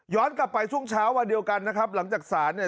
กลับไปช่วงเช้าวันเดียวกันนะครับหลังจากศาลเนี่ย